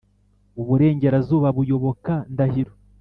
uburengerazuba buyoboka ndahiro.